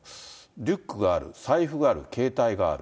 リュックがある、財布がある、携帯がある。